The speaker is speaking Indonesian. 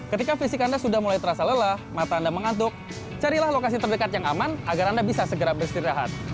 ketika fisik anda sudah mulai terasa lelah mata anda mengantuk carilah lokasi terdekat yang aman agar anda bisa segera beristirahat